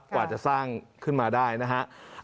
กว่าจะสร้างขึ้นมาได้นะครับ